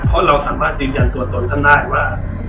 เพราะเราสามารถยืนยันตัวตนท่านได้ว่า